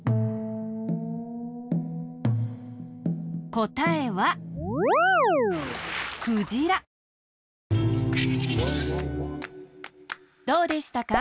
こたえはどうでしたか？